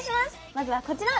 まずはこちら！